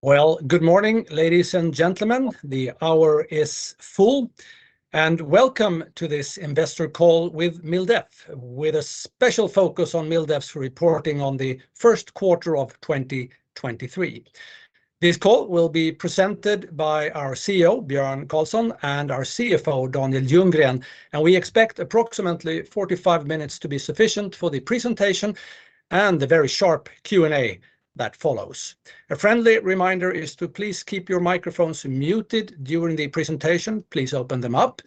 Well, good morning, ladies and gentlemen. The hour is full, welcome to this investor call with MilDef, with a special focus on MilDef's reporting on the first quarter of 2023. This call will be presented by our CEO, Björn Karlsson, and our CFO, Daniel Ljunggren, we expect approximately 45 minutes to be sufficient for the presentation and the very sharp Q&A that follows. A friendly reminder is to please keep your microphones muted during the presentation. Please open them up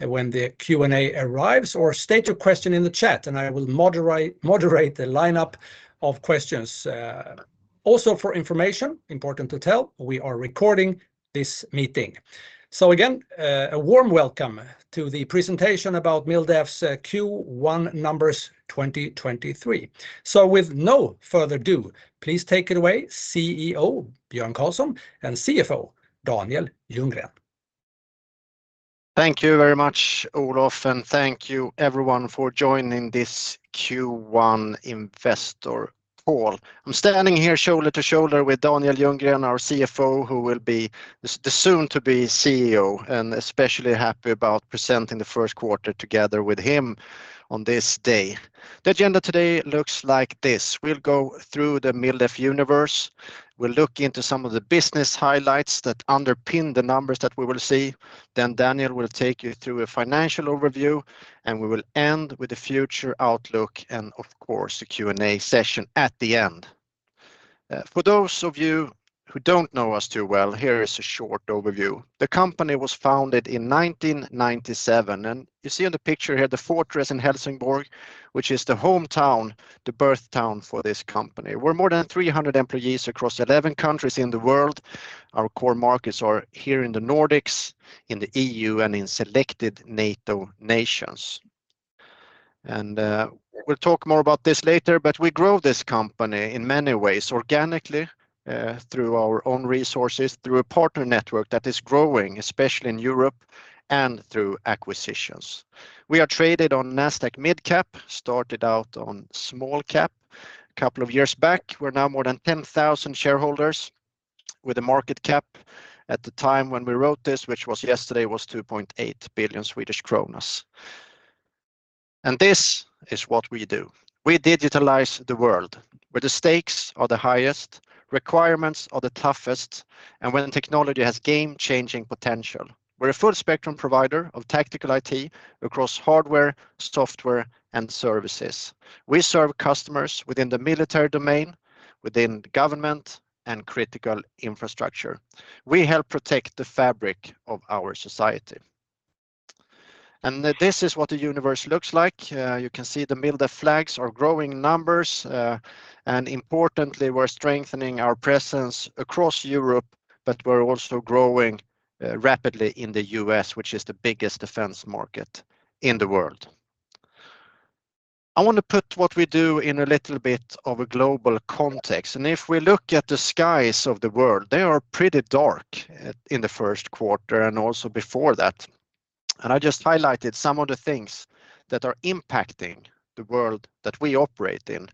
when the Q&A arrives, or state your question in the chat, I will moderate the lineup of questions. Also for information, important to tell, we are recording this meeting. Again, a warm welcome to the presentation about MilDef's Q1 numbers 2023. With no further ado, please take it away, CEO Björn Karlsson and CFO Daniel Ljunggren. Thank you very much, Olof. Thank you everyone for joining this Q1 investor call. I'm standing here shoulder to shoulder with Daniel Ljunggren, our CFO, who will be the soon to be CEO, and especially happy about presenting the first quarter together with him on this day. The agenda today looks like this. We'll go through the MilDef universe. We'll look into some of the business highlights that underpin the numbers that we will see. Daniel will take you through a financial overview, and we will end with the future outlook and of course, the Q&A session at the end. For those of you who don't know us too well, here is a short overview. The company was founded in 1997, and you see in the picture here, the fortress in Helsingborg, which is the hometown, the birth town for this company. We're more than 300 employees across 11 countries in the world. Our core markets are here in the Nordics, in the EU, and in selected NATO nations. We'll talk more about this later, but we grow this company in many ways organically, through our own resources, through a partner network that is growing, especially in Europe and through acquisitions. We are traded on Nasdaq Mid Cap, started out on Small Cap a couple of years back. We're now more than 10,000 shareholders with a market cap at the time when we wrote this, which was yesterday, was 2.8 billion Swedish kronor. This is what we do. We digitalize the world where the stakes are the highest, requirements are the toughest, and when technology has game-changing potential. We're a full spectrum provider of tactical IT across hardware, software, and services. We serve customers within the military domain, within government and critical infrastructure. We help protect the fabric of our society. This is what the universe looks like. You can see the MilDef flags are growing numbers, and importantly, we're strengthening our presence across Europe, but we're also growing rapidly in the U.S., which is the biggest defense market in the world. I want to put what we do in a little bit of a global context, and if we look at the skies of the world, they are pretty dark in the first quarter and also before that. I just highlighted some of the things that are impacting the world that we operate in.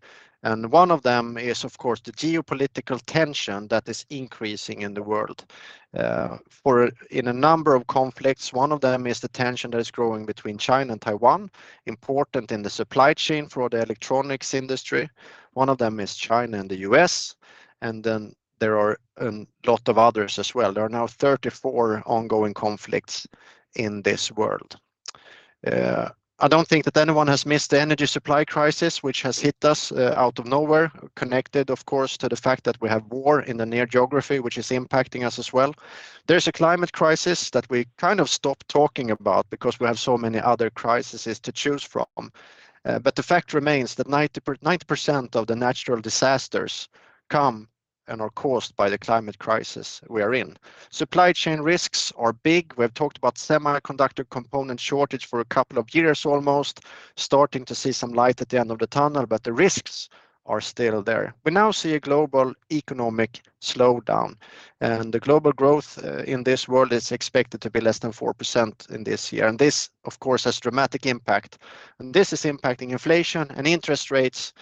One of them is, of course, the geopolitical tension that is increasing in the world, in a number of conflicts. One of them is the tension that is growing between China and Taiwan, important in the supply chain for the electronics industry. One of them is China and the U.S., there are a lot of others as well. There are now 34 ongoing conflicts in this world. I don't think that anyone has missed the energy supply crisis, which has hit us out of nowhere, connected, of course, to the fact that we have war in the near geography, which is impacting us as well. There's a climate crisis that we kind of stopped talking about because we have so many other crises to choose from. But the fact remains that 90% of the natural disasters come and are caused by the climate crisis we are in. Supply chain risks are big. We have talked about semiconductor component shortage for a couple of years, almost starting to see some light at the end of the tunnel, but the risks are still there. We now see a global economic slowdown, and the global growth in this world is expected to be less than 4% in this year, and this, of course, has dramatic impact, and this is impacting inflation and interest rates,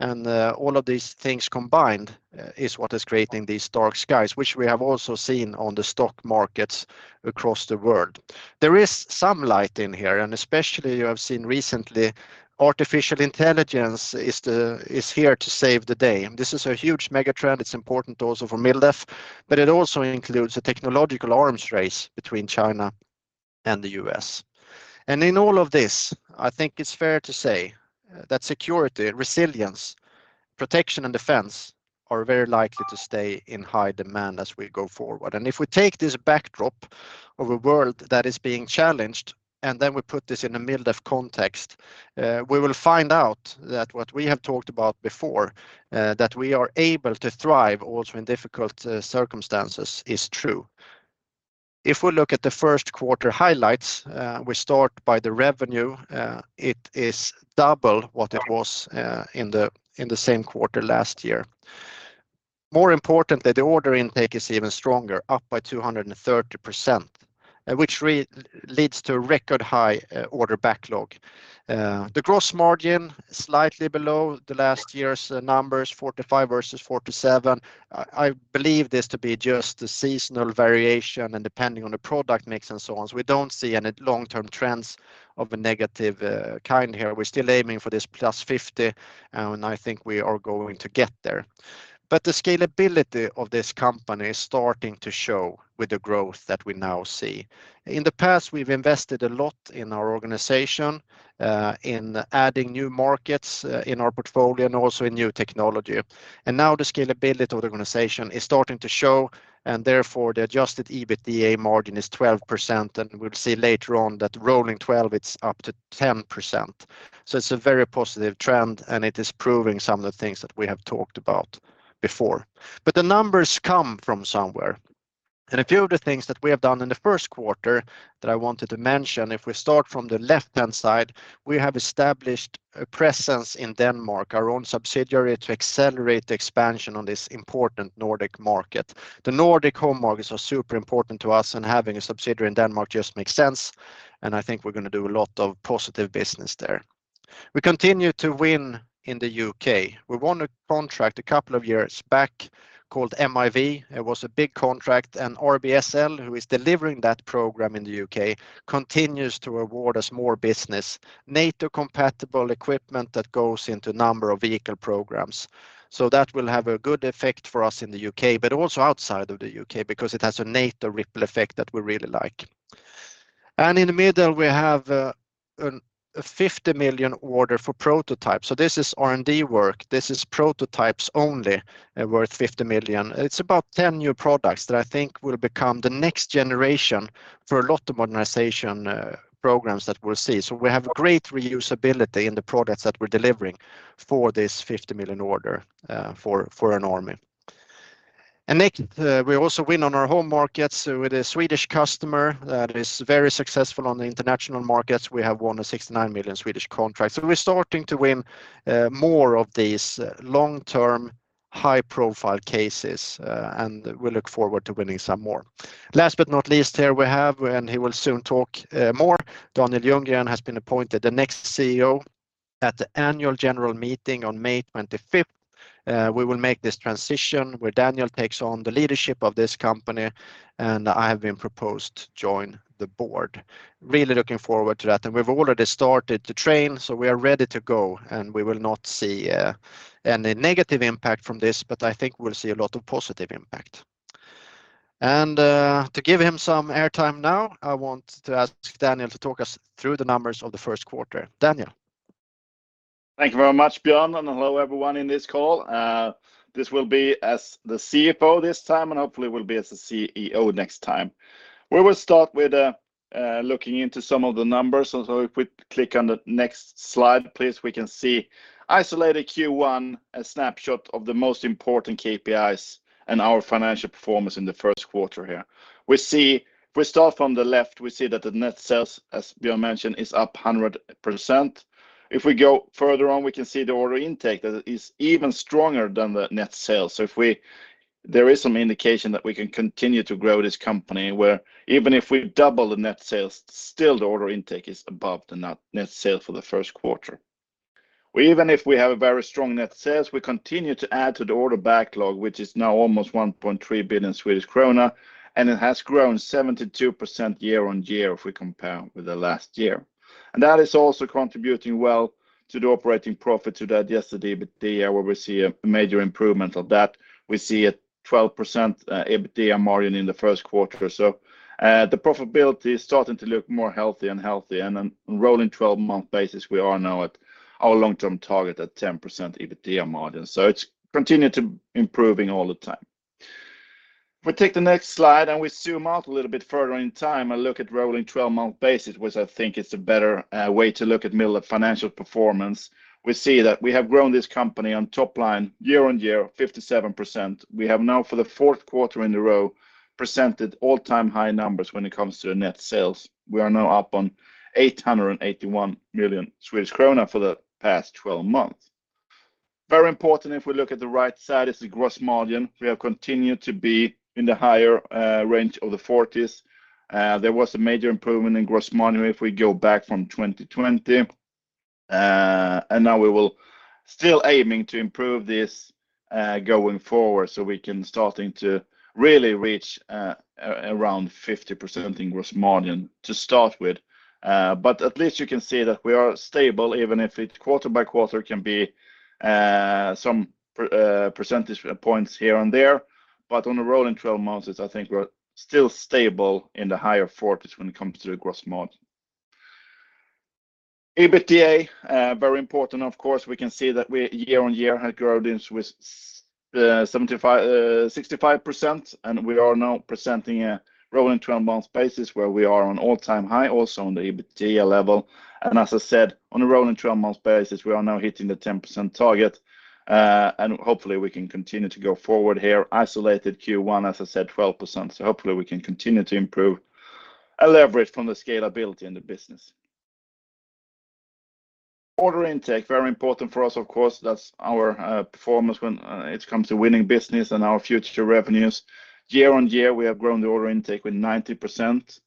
and all of these things combined is what is creating these dark skies, which we have also seen on the stock markets across the world. There is some light in here, and especially you have seen recently, artificial intelligence is here to save the day, and this is a huge mega trend. It's important also for MilDef, but it also includes a technological arms race between China and the U.S. In all of this, I think it's fair to say that security, resilience, protection, and defense are very likely to stay in high demand as we go forward. If we take this backdrop of a world that is being challenged, then we put this in a MilDef context, we will find out that what we have talked about before, that we are able to thrive also in difficult circumstances is true. If we look at the first quarter highlights, we start by the revenue. It is double what it was in the same quarter last year. More importantly, the order intake is even stronger, up by 230%, which leads to record high order backlog. The gross margin slightly below the last year's numbers, 45% versus 47%. I believe this to be just a seasonal variation, and depending on the product mix and so on. We don't see any long-term trends of a negative kind here. We're still aiming for this +50, and I think we are going to get there. The scalability of this company is starting to show with the growth that we now see. In the past, we've invested a lot in our organization, in adding new markets in our portfolio and also in new technology. Now the scalability of the organization is starting to show, and therefore, the adjusted EBITDA margin is 12%. We'll see later on that rolling 12, it's up to 10%. It's a very positive trend, and it is proving some of the things that we have talked about before. The numbers come from somewhere. A few of the things that we have done in the first quarter that I wanted to mention, if we start from the left-hand side, we have established a presence in Denmark, our own subsidiary, to accelerate the expansion on this important Nordic market. The Nordic home markets are super important to us, and having a subsidiary in Denmark just makes sense, and I think we're going to do a lot of positive business there. We continue to win in the U.K. We won a contract a couple of years back called MIV. It was a big contract, and RBSL, who is delivering that program in the U.K., continues to award us more business. NATO-compatible equipment that goes into a number of vehicle programs. That will have a good effect for us in the U.K., but also outside of the U.K., because it has a NATO ripple effect that we really like. In the middle, we have a 50 million order for prototypes. This is R&D work. This is prototypes only, worth 50 million. It's about 10 new products that I think will become the next generation for a lot of modernization programs that we'll see. We have great reusability in the products that we're delivering for this 50 million order for an army. Next, we also win on our home markets with a Swedish customer that is very successful on the international markets. We have won a 69 million Swedish contract. We're starting to win more of these long-term, high-profile cases, and we look forward to winning some more. Last but not least, here we have, and he will soon talk more, Daniel Ljunggren has been appointed the next CEO at the annual general meeting on May 25th. We will make this transition where Daniel takes on the leadership of this company, and I have been proposed to join the board. Really looking forward to that. We've already started to train, so we are ready to go, and we will not see any negative impact from this, but I think we'll see a lot of positive impact. To give him some airtime now, I want to ask Daniel to talk us through the numbers of the first quarter. Daniel. Thank you very much, Björn. Hello, everyone in this call. This will be as the CFO this time, hopefully will be as the CEO next time. We will start with looking into some of the numbers. If we click on the next slide, please, we can see isolated Q1, a snapshot of the most important KPIs and our financial performance in the first quarter here. We start from the left, we see that the net sales, as Björn mentioned, is up 100%. If we go further on, we can see the order intake that is even stronger than the net sales. There is some indication that we can continue to grow this company, where even if we double the net sales, still the order intake is above the net sale for the first quarter. Even if we have a very strong net sales, we continue to add to the order backlog, which is now almost 1.3 billion Swedish krona, and it has grown 72% year-on-year if we compare with the last year. That is also contributing well to the operating profit to that yesterday, where we see a major improvement of that, we see a 12% EBITDA margin in the first quarter. The profitability is starting to look more healthy and healthy. On rolling 12-month basis, we are now at our long-term target at 10% EBITDA margin. It's continued to improving all the time. If we take the next slide, and we zoom out a little bit further in time and look at 12-month basis, which I think is a better way to look at MilDef financial performance, we see that we have grown this company on top line year-on-year, 57%. We have now, for the fourth quarter in a row, presented all-time high numbers when it comes to the net sales. We are now up on 881 million Swedish krona for the past 12 months. Very important, if we look at the right side, is the gross margin. We have continued to be in the higher range of the 40s. There was a major improvement in gross margin if we go back from 2020. Now we will still aiming to improve this going forward so we can starting to really reach around 50% in gross margin to start with. At least you can see that we are stable, even if it quarter by quarter can be some percentage points here and there. On a rolling 12 months, I think we're still stable in the higher 40s when it comes to the gross margin. EBITDA, very important, of course. We can see that we, year-on-year, have grown this with 75%, 65%, and we are now presenting a rolling 12 months basis where we are on all-time high also on the EBITDA level. As I said, on a rolling 12 months basis, we are now hitting the 10% target, and hopefully we can continue to go forward here. Isolated Q1, as I said, 12%. Hopefully we can continue to improve and leverage from the scalability in the business. Order intake, very important for us, of course, that's our performance when it comes to winning business and our future revenues. Year-over-year, we have grown the order intake with 90%.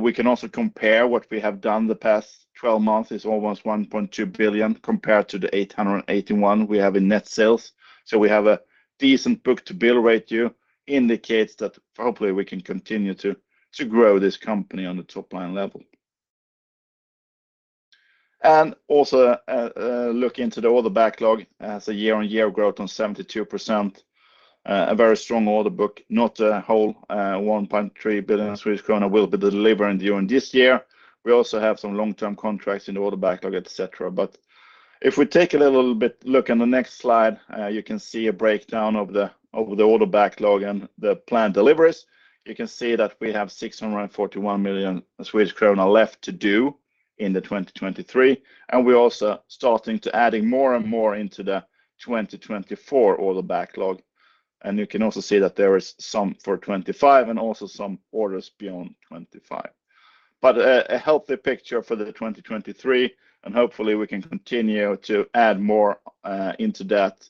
We can also compare what we have done the past 12 months is almost 1.2 billion compared to the 881 we have in net sales. We have a decent book-to-bill ratio, indicates that hopefully we can continue to grow this company on the top line level. Also, a look into the order backlog as a year-over-year growth on 72%. A very strong order book, not a whole, 1.3 billion Swedish krona will be delivered during this year. We also have some long-term contracts in the order backlog, et cetera. If we take a little bit look on the next slide, you can see a breakdown of the order backlog and the planned deliveries. You can see that we have 641 million Swedish krona left to do in 2023, and we're also starting to adding more and more into the 2024 order backlog. You can also see that there is some for 2025 and also some orders beyond 2025. A healthy picture for the 2023, and hopefully we can continue to add more into that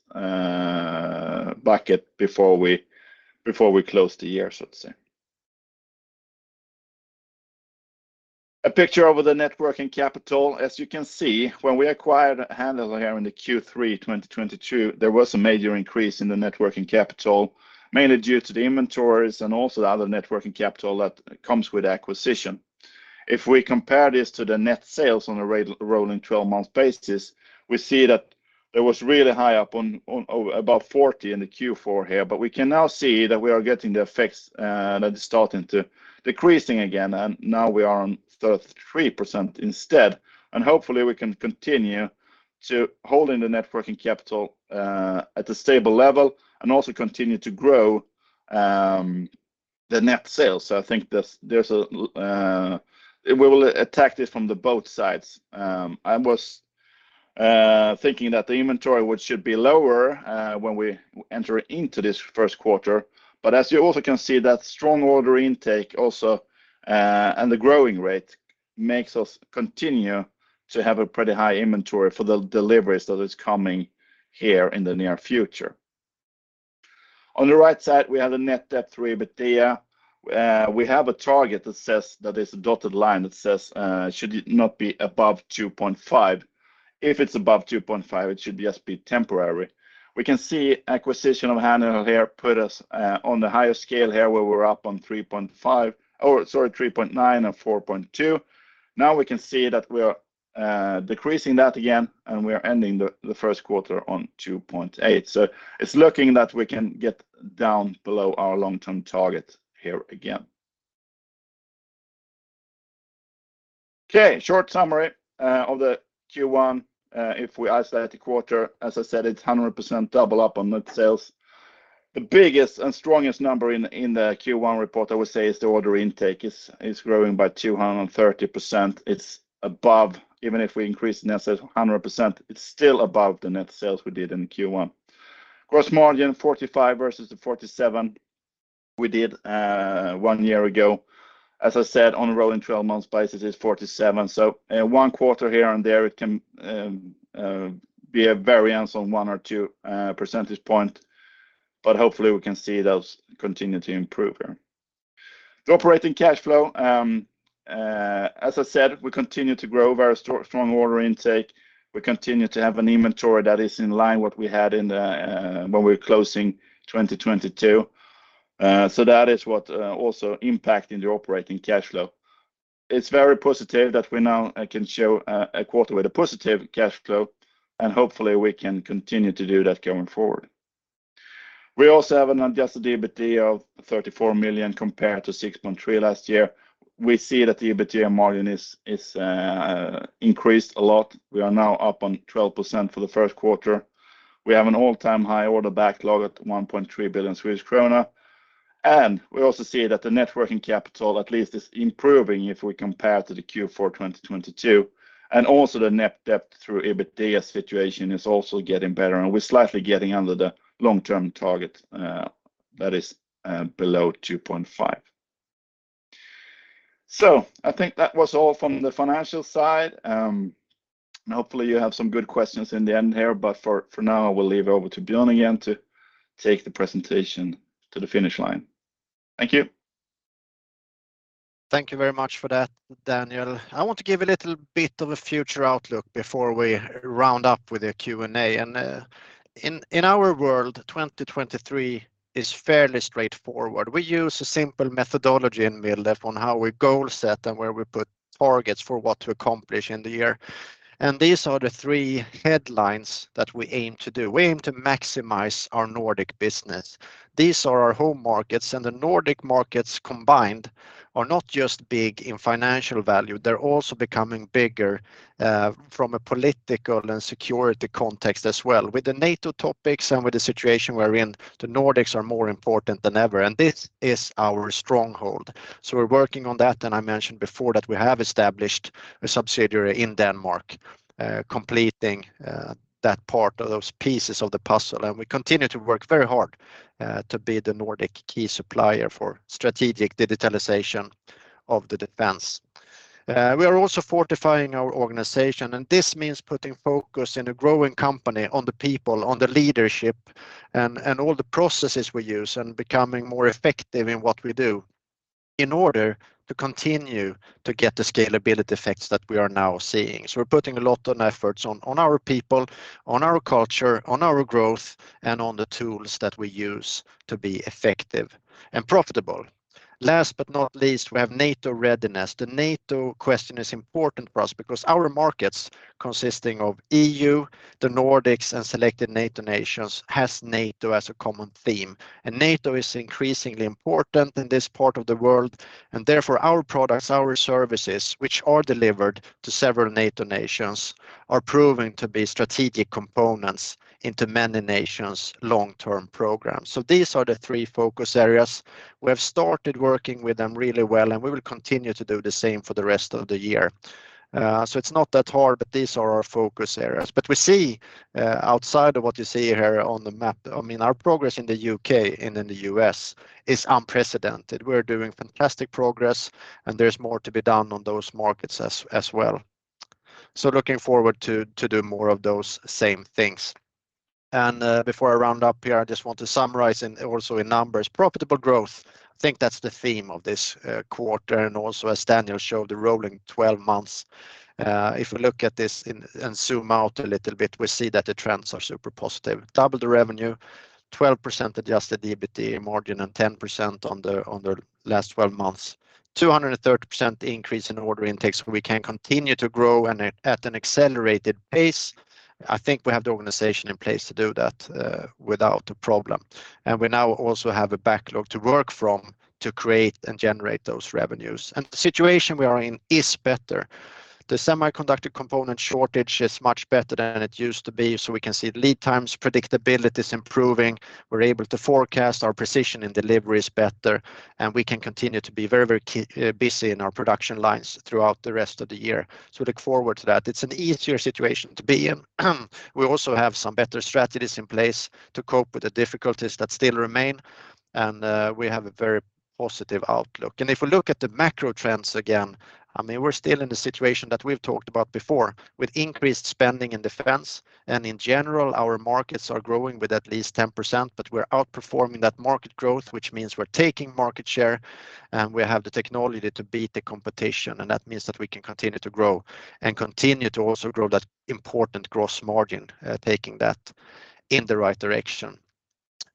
bucket before we close the year, so to say. A picture of the net working capital. As you can see, when we acquired Handheld here in the Q3 2022, there was a major increase in the net working capital, mainly due to the inventories and also the other net working capital that comes with acquisition. If we compare this to the net sales on a rolling 12-month basis, we see that it was really high up about 40 in the Q4 here. We can now see that we are getting the effects that is starting to decreasing again. Now we are on 33% instead. Hopefully we can continue to holding the net working capital at a stable level and also continue to grow the net sales. I think there's we will attack this from the both sides. I was thinking that the inventory, which should be lower, when we enter into this first quarter. As you also can see, that strong order intake also and the growing rate makes us continue to have a pretty high inventory for the deliveries that is coming here in the near future. On the right side, we have a net debt through EBITDA. We have a target that says that there's a dotted line that says, should it not be above 2.5. If it's above 2.5, it should just be temporary. We can see acquisition of Handheld here put us on the higher scale here where we're up on 3.5 or, sorry, 3.9 and 4.2. We can see that we are decreasing that again and we are ending the first quarter on 2.8. It's looking that we can get down below our long-term target here again. Short summary of the Q1. If we isolate the quarter, as I said, it's a 100% double up on net sales. The biggest and strongest number in the Q1 report, I would say, is the order intake is growing by 230%. Even if we increase net sales 100%, it's still above the net sales we did in Q1. Gross margin 45% versus the 47% we did one year ago. As I said, on a rolling 12-month basis, it's 47%. One quarter here and there, it can be a variance on 1 or 2 percentage point, but hopefully we can see those continue to improve here. The operating cash flow, as I said, we continue to grow very strong order intake. We continue to have an inventory that is in line what we had in the when we were closing 2022. That is what also impacting the operating cash flow. It's very positive that we now can show a quarter with a positive cash flow, and hopefully we can continue to do that going forward. We also have an adjusted EBITDA of 34 million compared to 6.3 last year. We see that the EBITDA margin is increased a lot. We are now up on 12% for the first quarter. We have an all-time high order backlog at 1.3 billion Swedish krona. We also see that the net working capital at least is improving if we compare to the Q4 2022. Also the net debt to EBITDA situation is also getting better, and we're slightly getting under the long-term target that is below 2.5. I think that was all from the financial side, and hopefully you have some good questions in the end here. For now, I will leave it over to Björn again to take the presentation to the finish line. Thank you. Thank you very much for that, Daniel. I want to give a little bit of a future outlook before we round up with the Q&A. In our world, 2023 is fairly straightforward. We use a simple methodology in MilDef on how we goal set and where we put targets for what to accomplish in the year. These are the three headlines that we aim to do. We aim to maximize our Nordic business. These are our home markets, and the Nordic markets combined are not just big in financial value, they're also becoming bigger from a political and security context as well. With the NATO topics and with the situation we're in, the Nordics are more important than ever, and this is our stronghold. We're working on that, and I mentioned before that we have established a subsidiary in Denmark, completing that part of those pieces of the puzzle. We continue to work very hard to be the Nordic key supplier for strategic digitalization of the defense. We are also fortifying our organization, and this means putting focus in a growing company on the people, on the leadership, and all the processes we use, and becoming more effective in what we do in order to continue to get the scalability effects that we are now seeing. We're putting a lot on efforts on our people, on our culture, on our growth, and on the tools that we use to be effective and profitable. Last but not least, we have NATO readiness. The NATO question is important for us because our markets, consisting of EU, the Nordics, and selected NATO nations, has NATO as a common theme. NATO is increasingly important in this part of the world. Therefore, our products, our services, which are delivered to several NATO nations, are proving to be strategic components into many nations' long-term programs. These are the three focus areas. We have started working with them really well. We will continue to do the same for the rest of the year. It's not that hard. These are our focus areas. We see, outside of what you see here on the map, I mean, our progress in the U.K. and in the U.S. is unprecedented. We're doing fantastic progress. There's more to be done on those markets as well, so looking forward to do more of those same things. Before I round up here, I just want to summarize also in numbers. Profitable growth, I think that's the theme of this quarter, and also, as Daniel showed, the rolling 12 months. If we look at this and zoom out a little bit, we see that the trends are super positive. Double the revenue, 12% adjusted EBITA margin, and 10% on the last 12 months, 230% increase in order intakes. We can continue to grow at an accelerated pace. I think we have the organization in place to do that without a problem. We now also have a backlog to work from to create and generate those revenues. The situation we are in is better. The semiconductor component shortage is much better than it used to be, so we can see lead times, predictability is improving. We're able to forecast. Our precision and delivery is better, and we can continue to be very, very busy in our production lines throughout the rest of the year, so look forward to that. It's an easier situation to be in. We also have some better strategies in place to cope with the difficulties that still remain, and we have a very positive outlook. If we look at the macro trends again, I mean, we're still in the situation that we've talked about before with increased spending in defense. In general, our markets are growing with at least 10%, but we're outperforming that market growth, which means we're taking market share, and we have the technology to beat the competition, and that means that we can continue to grow and continue to also grow that important gross margin, taking that in the right direction.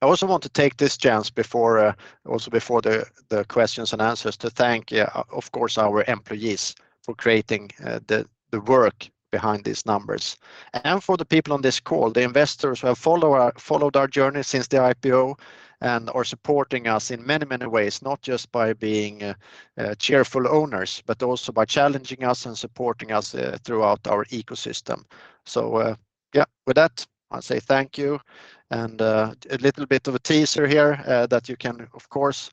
I also want to take this chance before, also before the questions and answers to thank, of course, our employees for creating the work behind these numbers and for the people on this call, the investors who have followed our journey since the IPO and are supporting us in many, many ways, not just by being cheerful owners, but also by challenging us and supporting us throughout our ecosystem. Yeah, with that, I say thank you, and, a little bit of a teaser here, that you can of course,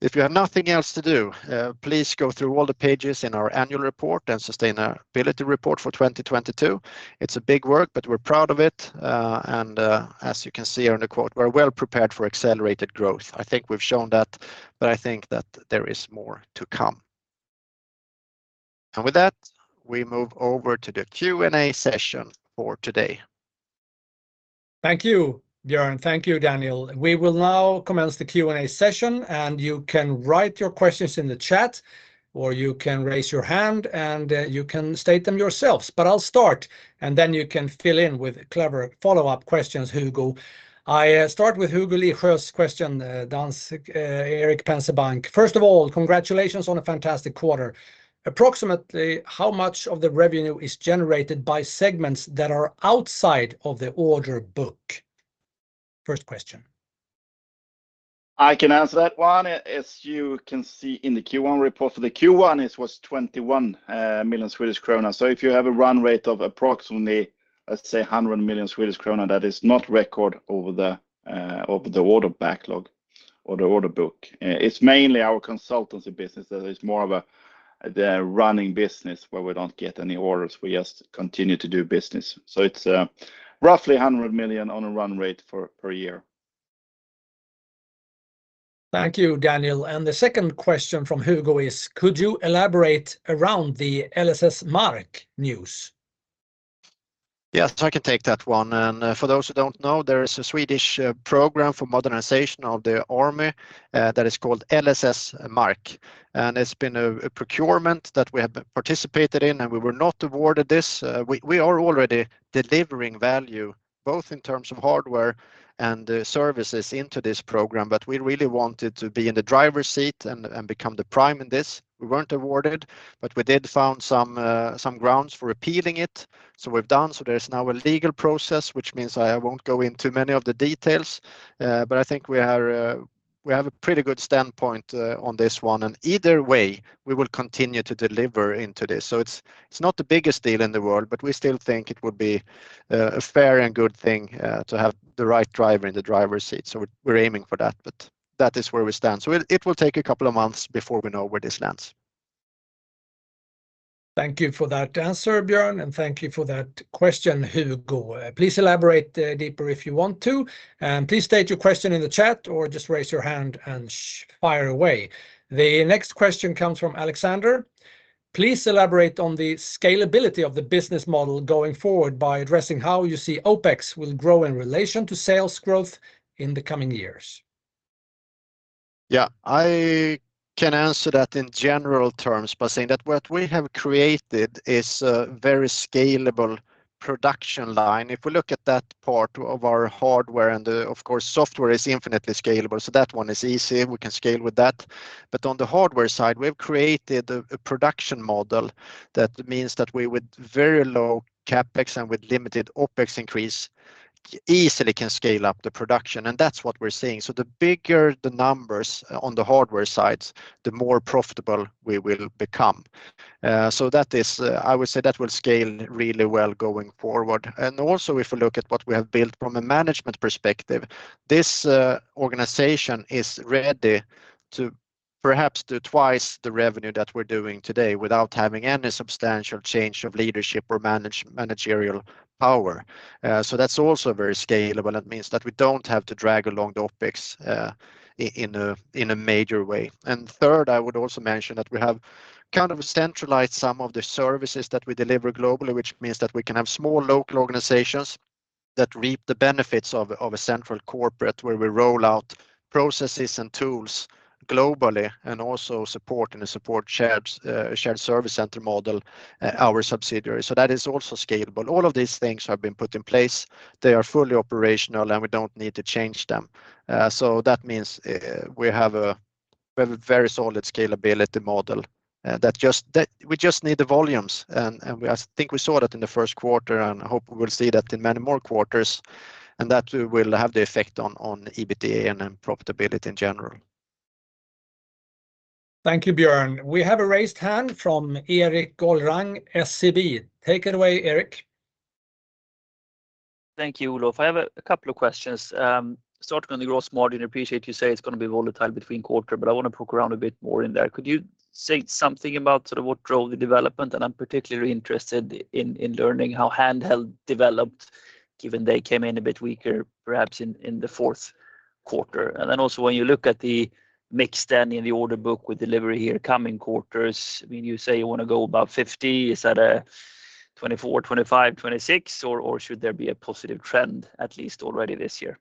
if you have nothing else to do, please go through all the pages in our annual report and sustainability report for 2022. It's a big work, but we're proud of it, and, as you can see here in the quote, we're well prepared for accelerated growth. I think we've shown that, but I think that there is more to come. With that, we move over to the Q&A session for today. Thank you, Björn. Thank you, Daniel. We will now commence the Q&A session. You can write your questions in the chat, or you can raise your hand, and you can state them yourselves. I'll start, and then you can fill in with clever follow-up questions, Hugo. I start with Hugo Ligšou's question, Danske, Erik Penser Bank. First of all, congratulations on a fantastic quarter. Approximately how much of the revenue is generated by segments that are outside of the order book? First question. I can answer that one. As you can see in the Q1 report, for the Q1, it was 21 million Swedish krona. If you have a run rate of approximately, let's say, 100 million Swedish krona, that is not record over the order backlog or the order book. It's mainly our consultancy business that is more of the running business where we don't get any orders. We just continue to do business. It's roughly 100 million on a run rate for per year. Thank you, Daniel. The second question from Hugo is, "Could you elaborate around the LSS Mark news? Yes, I can take that one. For those who don't know, there is a Swedish program for modernization of the army that is called LSS Mark. It's been a procurement that we have participated in, and we were not awarded this. We are already delivering value both in terms of hardware and services into this program, but we really wanted to be in the driver's seat and become the prime in this. We weren't awarded. We did found some grounds for appealing it, so we've done. There's now a legal process, which means I won't go into many of the details, but I think we are, we have a pretty good standpoint on this one. Either way, we will continue to deliver into this. It's not the biggest deal in the world, but we still think it would be a fair and good thing to have the right driver in the driver's seat, so we're aiming for that. That is where we stand, so it will take a couple of months before we know where this lands. Thank you for that answer, Björn, and thank you for that question, Hugo. Please elaborate deeper if you want to, and please state your question in the chat or just raise your hand and fire away. The next question comes from Alexander. Please elaborate on the scalability of the business model going forward by addressing how you see OpEx will grow in relation to sales growth in the coming years. Yeah. I can answer that in general terms by saying that what we have created is a very scalable production line. If we look at that part of our hardware, and, of course, software is infinitely scalable, so that one is easy. We can scale with that. On the hardware side, we've created a production model that means that we, with very low CapEx and with limited OpEx increase, easily can scale up the production, and that's what we're seeing. The bigger the numbers on the hardware side, the more profitable we will become. That is, I would say that will scale really well going forward. Also, if you look at what we have built from a management perspective, this organization is ready to perhaps do twice the revenue that we're doing today without having any substantial change of leadership or managerial power. That's also very scalable, and it means that we don't have to drag along the OpEx in a major way. Third, I would also mention that we have kind of centralized some of the services that we deliver globally, which means that we can have small local organizations that reap the benefits of a central corporate where we roll out processes and tools globally and also support in a shared service center model, our subsidiaries. That is also scalable. All of these things have been put in place. They are fully operational, and we don't need to change them. So that means we have a very solid scalability model that we just need the volumes. We, I think we saw that in the first quarter. I hope we will see that in many more quarters. That will have the effect on EBITDA and then profitability in general. Thank you, Björn. We have a raised hand from Erik Golrang, SEB. Take it away, Erik. Thank you, Olof. I have a couple of questions. Starting on the gross margin, appreciate you say it's gonna be volatile between quarter, but I wanna poke around a bit more in there. Could you say something about sort of what drove the development? I'm particularly interested in learning how Handheld developed given they came in a bit weaker perhaps in the fourth quarter. Also when you look at the mix then in the order book with delivery here coming quarters, I mean, you say you wanna go about 50. Is that 2024, 2025, 2026, or should there be a positive trend at least already this year?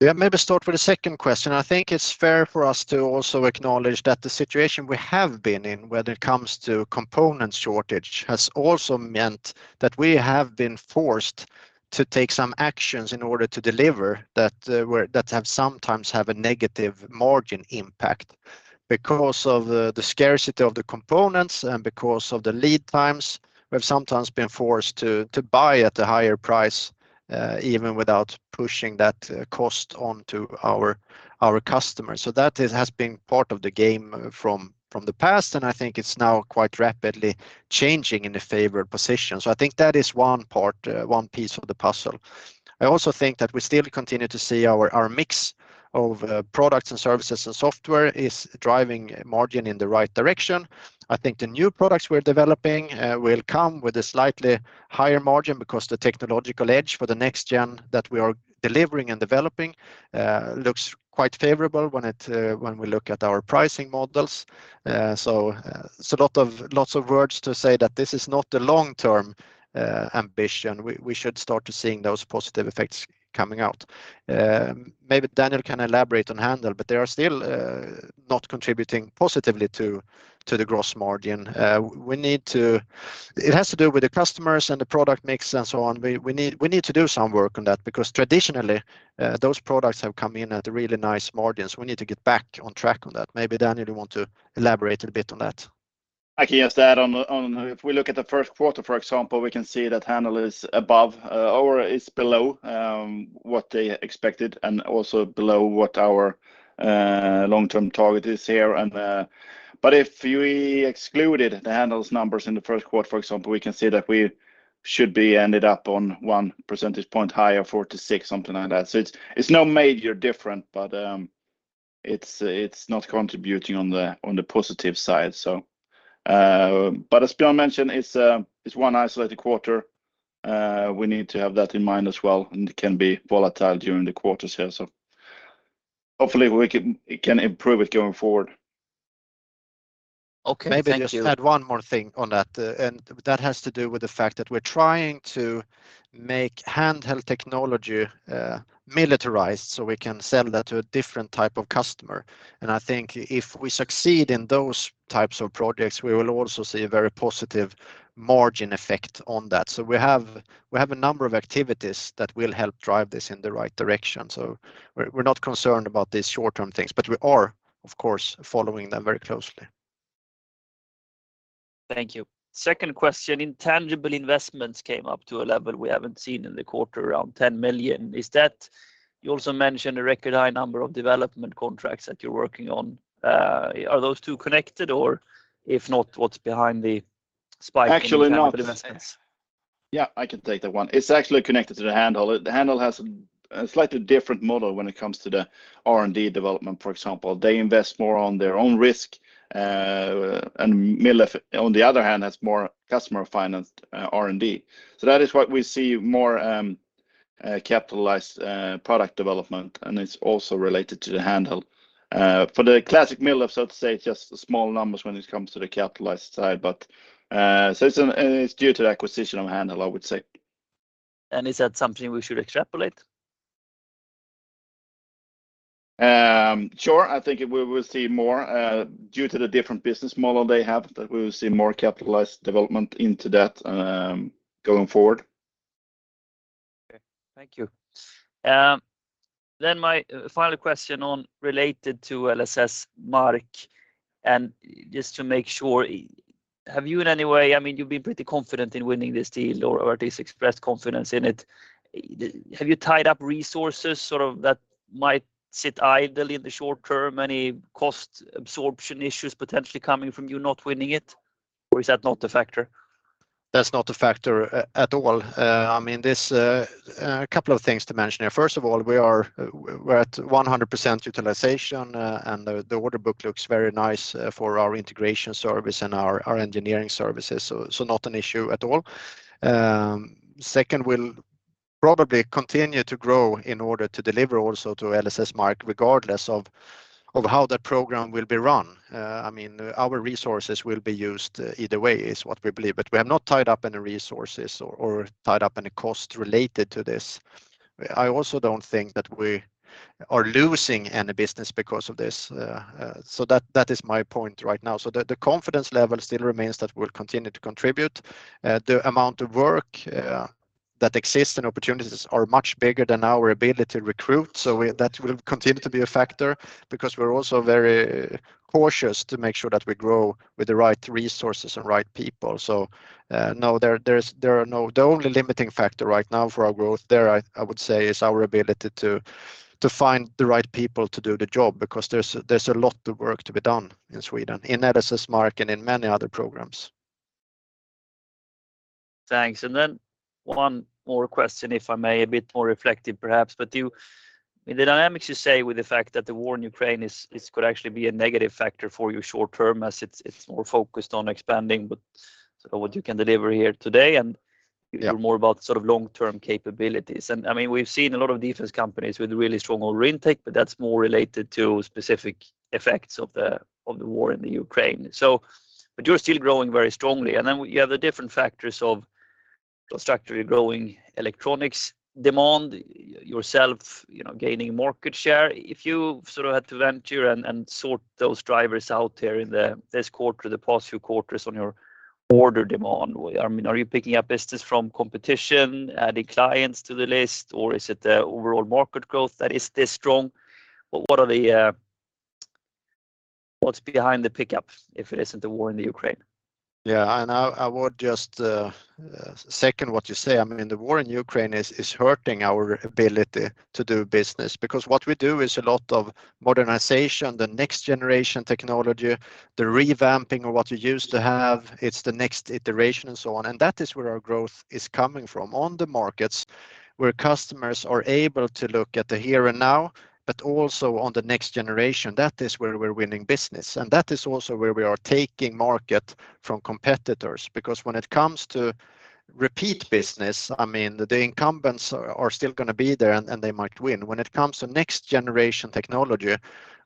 Yeah. Maybe start with the second question. I think it's fair for us to also acknowledge that the situation we have been in when it comes to component shortage has also meant that we have been forced to take some actions in order to deliver that have sometimes have a negative margin impact. Because of the scarcity of the components and because of the lead times, we've sometimes been forced to buy at a higher price, even without pushing that cost onto our customers. That is, has been part of the game from the past, and I think it's now quite rapidly changing in the favored position. I think that is one part, one piece of the puzzle. I also think that we still continue to see our mix of products and services and software is driving margin in the right direction. I think the new products we're developing will come with a slightly higher margin because the technological edge for the next-gen that we are delivering and developing looks quite favorable when it when we look at our pricing models. Lots of words to say that this is not the long-term ambition. We should start to seeing those positive effects coming out. Maybe Daniel can elaborate on Handheld, but they are still not contributing positively to the gross margin. We need to. It has to do with the customers and the product mix and so on. We need to do some work on that because traditionally, those products have come in at really nice margins. We need to get back on track on that. Maybe, Daniel, you want to elaborate a bit on that. I can just add on if we look at the first quarter, for example, we can see that Handheld is above, or is below, what they expected and also below what our long-term target is here. But if we excluded the Handheld's numbers in the first quarter, for example, we can see that we should be ended up on 1 percentage point higher, four to six, something like that. It's no major different, but it's not contributing on the positive side. But as Björn mentioned, it's one isolated quarter. We need to have that in mind as well, and it can be volatile during the quarters here. Hopefully, we can improve it going forward. Okay. Thank you. Maybe just add one more thing on that, and that has to do with the fact that we're trying to make Handheld technology militarized, so we can sell that to a different type of customer. I think if we succeed in those types of projects, we will also see a very positive margin effect on that. We have, we have a number of activities that will help drive this in the right direction. We're, we're not concerned about these short-term things, but we are, of course, following them very closely. Thank you. Second question, intangible investments came up to a level we haven't seen in the quarter, around 10 million. You also mentioned a record high number of development contracts that you're working on. Are those two connected, or if not, what's behind the spike in...? Actually, no. Yeah, I can take that one. It's actually connected to the Handheld. The Handheld has a slightly different model when it comes to the R&D development, for example. They invest more on their own risk, MilDef, on the other hand, has more customer-financed R&D. That is what we see more capitalized product development, and it's also related to the Handheld. For the classic MilDef, so to say, it's just small numbers when it comes to the capitalized side. It's due to the acquisition of Handheld, I would say. Is that something we should extrapolate? Sure. I think we will see more, due to the different business model they have, that we will see more capitalized development into that, going forward. Okay. Thank you. My final question on related to LSS Mark. Just to make sure, I mean, you've been pretty confident in winning this deal or at least expressed confidence in it. Have you tied up resources, sort of, that might sit idly in the short term? Any cost absorption issues potentially coming from you not winning it, or is that not a factor? That's not a factor at all. I mean, there's a couple of things to mention here. First of all, we are, we're at 100% utilization, and the order book looks very nice for our integration service and our engineering services. Not an issue at all. Second, we'll probably continue to grow in order to deliver also to LSS Mark, regardless of how the program will be run. I mean, our resources will be used either way, is what we believe, but we have not tied up any resources or tied up any cost related to this. I also don't think that we are losing any business because of this. That is my point right now. The confidence level still remains that we'll continue to contribute. The amount of work that exists and opportunities are much bigger than our ability to recruit, that will continue to be a factor, because we're also very cautious to make sure that we grow with the right resources and right people. No, there are no. The only limiting factor right now for our growth there, I would say, is our ability to find the right people to do the job, because there's a lot of work to be done in Sweden, in LSS Mark and in many other programs. Thanks. One more question, if I may. A bit more reflective perhaps, but I mean, the dynamics you say with the fact that the war in Ukraine is could actually be a negative factor for you short term, as it's more focused on expanding, but sort of what you can deliver here today. Yeah... you hear more about sort of long-term capabilities. I mean, we've seen a lot of defense companies with really strong order intake, but that's more related to specific effects of the war in the Ukraine. You're still growing very strongly, and then you have the different factors of structurally growing electronics demand, yourself, you know, gaining market share. If you sort of had to venture and sort those drivers out there in this quarter, the past few quarters on your order demand, I mean, are you picking up business from competition, adding clients to the list, or is it the overall market growth that is this strong? What are the... What's behind the pickup, if it isn't the war in the Ukraine? Yeah. I would just second what you say. I mean, the war in Ukraine is hurting our ability to do business, because what we do is a lot of modernization, the next-generation technology, the revamping of what you used to have. It's the next iteration and so on. That is where our growth is coming from, on the markets where customers are able to look at the here and now, but also on the next generation. That is where we're winning business. That is also where we are taking market from competitors. When it comes to repeat business, I mean, the incumbents are still gonna be there and they might win. When it comes to next-generation technology,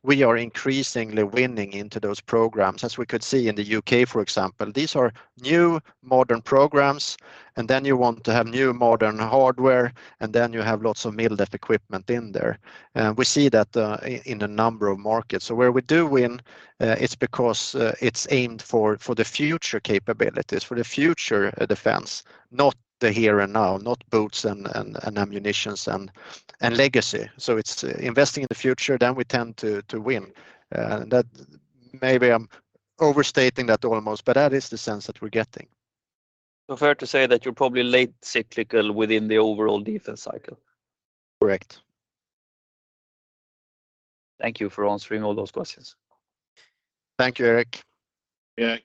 we are increasingly winning into those programs, as we could see in the U.K., for example. These are new modern programs, and then you want to have new modern hardware, and then you have lots of MilDef equipment in there. We see that in a number of markets. Where we do win, it's because it's aimed for the future capabilities, for the future defense, not the here and now, not boots and ammunitions and legacy. It's investing in the future, then we tend to win. That maybe I'm overstating that almost, but that is the sense that we're getting. Fair to say that you're probably late cyclical within the overall defense cycle. Correct. Thank you for answering all those questions. Thank you, Erik. Yeah.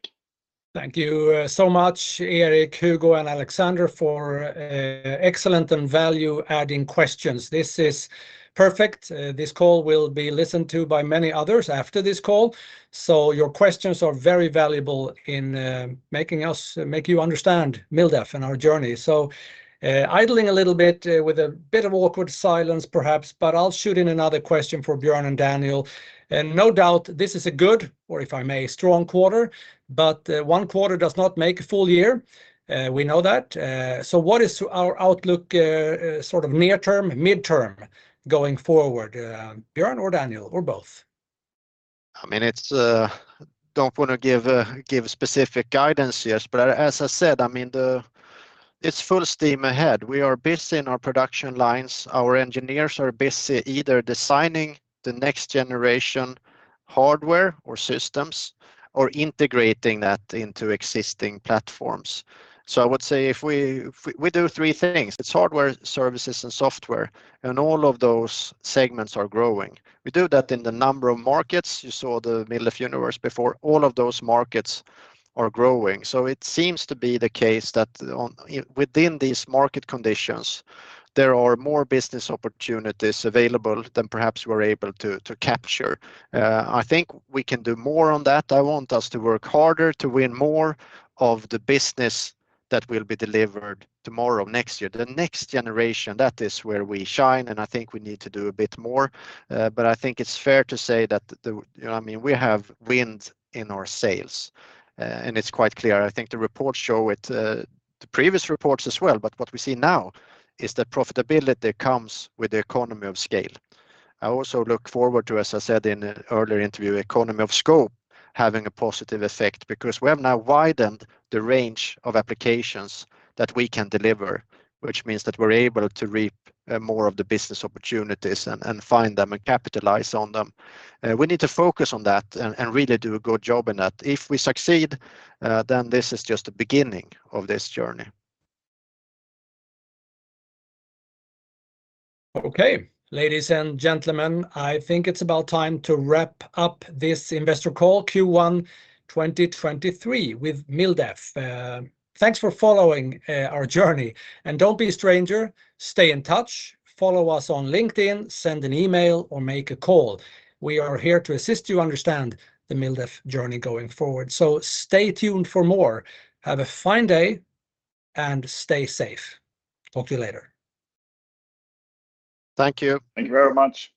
Thank you so much, Erik, Hugo, and Alexander, for excellent and value-adding questions. This is perfect. This call will be listened to by many others after this call, so your questions are very valuable in making us make you understand MilDef and our journey. Idling a little bit with a bit of awkward silence perhaps, but I'll shoot in another question for Björn and Daniel. No doubt this is a good, or if I may, strong quarter, but one quarter does not make a full year. We know that. What is our outlook, sort of near term, midterm going forward, Björn or Daniel, or both? I mean, it's. Don't wanna give specific guidance, yes, but as I said, I mean, it's full steam ahead. We are busy in our production lines. Our engineers are busy either designing the next-generation hardware or systems or integrating that into existing platforms. I would say if we do three things. It's hardware, services, and software, and all of those segments are growing. We do that in the number of markets. You saw the MilDef universe before. All of those markets are growing. It seems to be the case that on, in, within these market conditions, there are more business opportunities available than perhaps we're able to capture. I think we can do more on that. I want us to work harder to win more of the business that will be delivered tomorrow, next year. The next generation, that is where we shine, and I think we need to do a bit more. I think it's fair to say that you know what I mean? We have wind in our sails, and it's quite clear. I think the reports show it, the previous reports as well, but what we see now is that profitability comes with the economy of scale. I also look forward to, as I said in an earlier interview, economy of scope having a positive effect, because we have now widened the range of applications that we can deliver, which means that we're able to reap more of the business opportunities and find them and capitalize on them. We need to focus on that and really do a good job in that. If we succeed, then this is just the beginning of this journey. Okay. Ladies and gentlemen, I think it's about time to wrap up this investor call, Q1 2023 with MilDef. Thanks for following our journey. Don't be a stranger. Stay in touch. Follow us on LinkedIn, send an email, or make a call. We are here to assist you understand the MilDef journey going forward. Stay tuned for more. Have a fine day. Stay safe. Talk to you later. Thank you. Thank you very much.